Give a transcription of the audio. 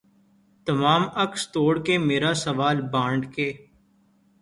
تمام عکس توڑ کے مرا سوال بانٹ کے